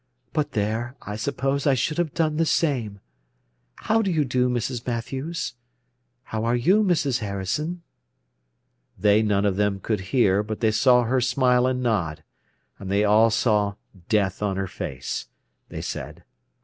"But there, I suppose I should have done the same. How do you do, Mrs. Mathews? How are you, Mrs. Harrison?" They none of them could hear, but they saw her smile and nod. And they all saw death on her face, they said.